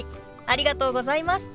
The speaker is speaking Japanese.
ありがとうございます。